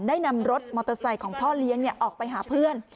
ได้นำรถมอเตอร์ไซค์ของพ่อเลี้ยงออกไปหาเพื่อน